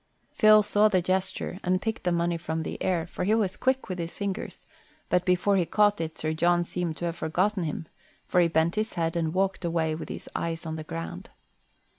Phil saw the gesture and picked the money from the air, for he was quick with his fingers, but before he caught it Sir John seemed to have forgotten him; for he bent his head and walked away with his eyes on the ground.